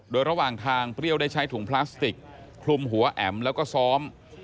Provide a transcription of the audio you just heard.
โดยระหว่างทางเปรี้ยวได้ใช้ถุงพลาสติกคลุมหัวแอ๋มแล้วก็ซ้อม